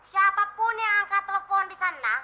siapapun yang angkat telepon di sana